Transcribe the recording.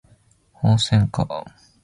ホウセンカ